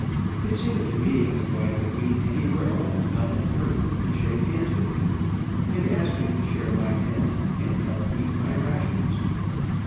It seemed to me as though I could meet any rebel on top of earth, and shake hands with him, and ask him to share my tent, and help eat my rations.